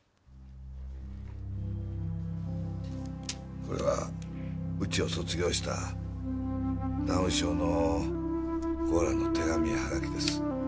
これはウチを卒業したダウン症の子らの手紙やハガキです